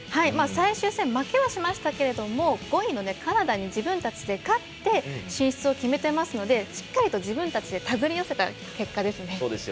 最終戦、負けはしましたが５位のカナダに自分たちで勝って進出を決めてますのでしっかりと自分たちでたぐり寄せた結果ですね。